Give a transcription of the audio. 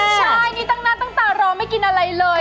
ใช่นี่ตั้งหน้าตั้งตารอไม่กินอะไรเลย